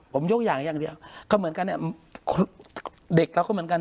ผมยกอย่างอย่างเดียวก็เหมือนกันเนี่ยเด็กเราก็เหมือนกัน